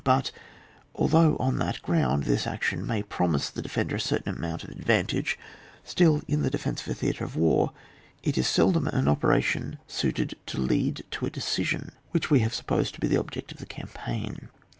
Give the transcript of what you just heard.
But although on that ground this action may promise the defender a certain amount of advantage, still, in the defence of a theatre of war, it is seldom an operation suited to lead to a decision, which we have supposed to be the object of the campaign.